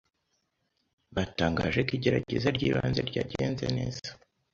batangaje ko igerageza ry’ibanze ryagenze neza